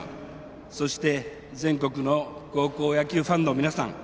そして、全国の高校野球ファンの皆さん。